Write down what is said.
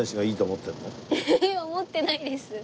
思ってないですか。